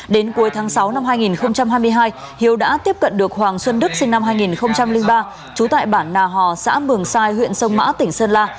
đến cuối tháng sáu năm hai nghìn hai mươi hai hiếu đã tiếp cận được hoàng xuân đức sinh năm hai nghìn ba trú tại bản nà hò xã mường sai huyện sông mã tỉnh sơn la